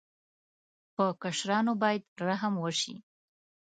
په کشرانو باید رحم وشي.